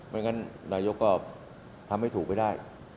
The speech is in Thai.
ไม่งั้นนายกก็ทำให้ถูกไม่ได้